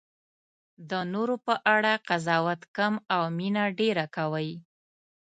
د نورو په اړه قضاوت کم او مینه ډېره کوئ.